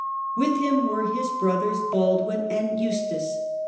With him were his brothers Baldwin and Eustace.